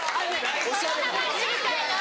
その名前知りたいの！